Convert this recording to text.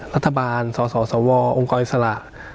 รัฐบาลสสวองค์กรอิสระ